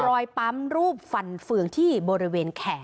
ปั๊มรูปฟันเฟืองที่บริเวณแขน